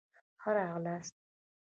ښه راغلاست.